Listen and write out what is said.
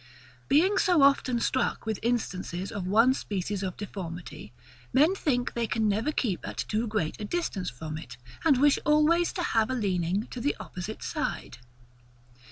Being so often struck with instances of one species of deformity, men think they can never keep at too great a distance from it, and wish always to have a leaning to the opposite side.